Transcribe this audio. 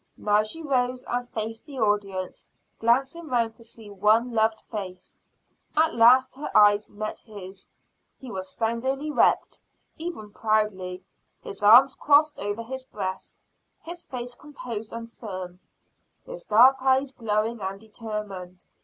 Now she rose and faced the audience, glancing around to see one loved face. At last her eyes met his; he was standing erect, even proudly; his arms crossed over his breast, his face composed and firm, his dark eyes glowing and determined.